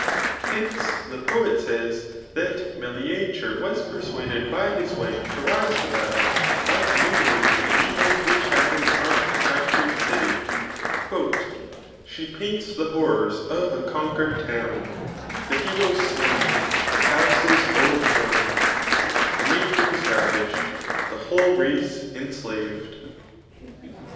Heice, the poet says, that MekagervWas persuaded [by his w^] to rise to battle [by enumerating the evils which happen irom a captured dty«] She paints the horrors of a conquered town, The heroes slain, the pafau^es o'erthrown, Tfat mtrons Tsyish'd, the whok race cnskv^d* '' Iliad, 9, V. 5^^^ Stc.